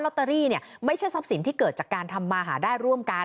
ตเตอรี่เนี่ยไม่ใช่ทรัพย์สินที่เกิดจากการทำมาหาได้ร่วมกัน